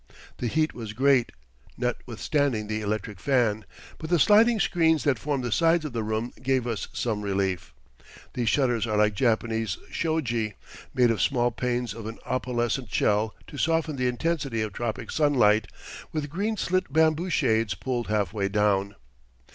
The heat was great, notwithstanding the electric fan, but the sliding screens that formed the sides of the room gave us some relief. These shutters are like Japanese shoji, made of small panes of an opalescent shell to soften the intensity of tropic sunlight, with green slit bamboo shades pulled halfway down.